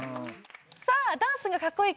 さあ「ダンスがカッコイイ！